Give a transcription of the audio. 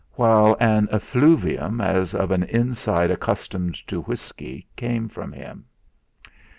while an effluvium, as of an inside accustomed to whisky came from him.